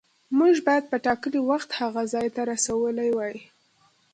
موږ باید په ټاکلي وخت هغه ځای ته رسولي وای.